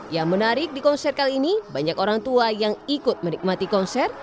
yang menarik di konser kali ini banyak orang tua yang ikut menikmati konser